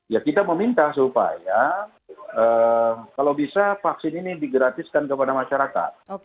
ya kita meminta supaya kalau bisa vaksin ini digratiskan kepada masyarakat